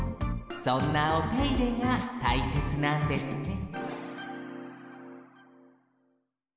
そんなおていれがたいせつなんですね